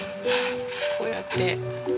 こうやって。